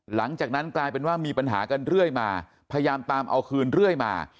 หลังจากนั้นกลายเป็นว่ามีปัญหากันเรื่อยมาพยายามตามเอาคืนเรื่อยมา